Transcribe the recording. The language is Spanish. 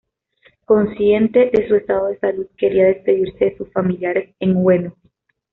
Consciente de su estado de salud, quería despedirse de sus familiares en Ueno.